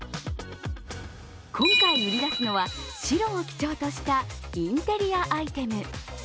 今回売り出すのは、白を基調としたインテリアアイテム。